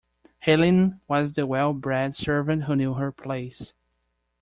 Helene was the well-bred servant who knew her place.